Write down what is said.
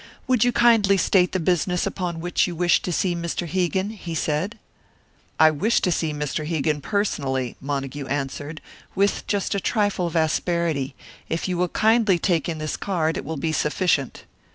"Would you kindly state the business upon which you wish to see Mr. Hegan?" he said. "I wish to see Mr. Hegan personally," Montague answered, with just a trifle of asperity, "If you will kindly take in this card, it will be sufficient."